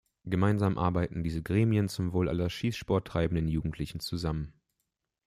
Gemeinsam arbeiten diese Gremien zum Wohl aller Schießsport treibenden Jugendlichen zusammen.